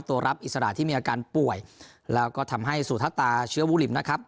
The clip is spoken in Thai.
ตัวรับอิสระที่มีอาการป่วยแล้วก็ทำให้สุธตาเชื้อวูลิมนะครับ